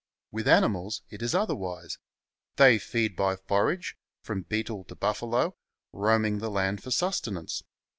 With animals it is otherwise. They feed by forage, from beetle to buffalo, roaming the land for sustenance.